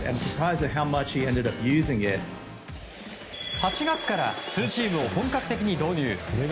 ８月からツーシームを本格的に導入。